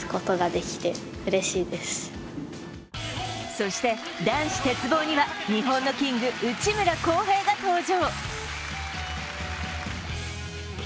そして、男子鉄棒には日本のキング・内村航平が登場。